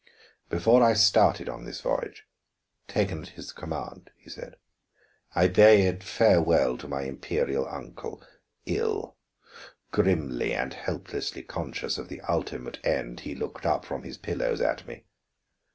"Before I started on this voyage, taken at his command," he said, "I bade farewell to my imperial uncle. Ill, grimly and helplessly conscious of the ultimate end, he looked up from his pillows at me.